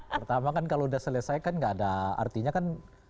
pertama kan kalau udah selesaikan gak ada artinya kan